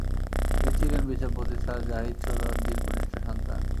তিনি ছিলেন বিচারপতি স্যার জাহিদ সোহরাওয়ার্দির কনিষ্ঠ সন্তান।